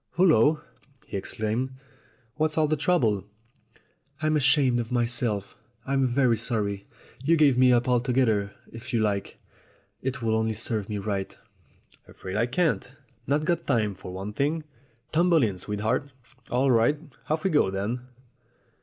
"Hul lo!" he exclaimed. "What's all the trou ble?" "I'm ashamed of myself. I'm very sorry. You may give me up altogether if you like. It would only serve me right." "Afraid I can't. Not got time, for one thing. Tumble in, sweetheart. All right? Off we go then."